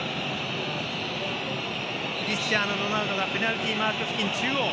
クリスチアーノ・ロナウドがペナルティーマーク付近中央。